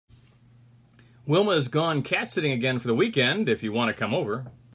Wilma’s gone cat sitting again for the weekend if you want to come over.